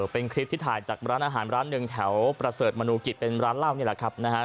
เป็นคลิปที่ถ่ายจากร้านอาหารร้านหนึ่งแถวประเสริฐมนูกิจเป็นร้านเหล้านี่แหละครับนะฮะ